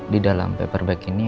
di dalam paperback ini